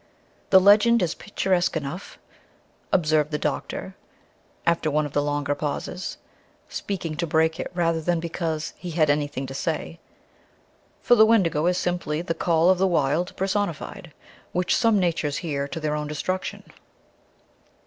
"The legend is picturesque enough," observed the doctor after one of the longer pauses, speaking to break it rather than because he had anything to say, "for the Wendigo is simply the Call of the Wild personified, which some natures hear to their own destruction."